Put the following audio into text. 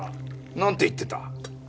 なんて言ってた？